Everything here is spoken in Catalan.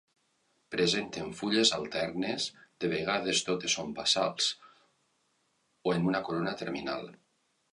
Presenten fulles alternes, de vegades totes són basals, o en una corona terminal.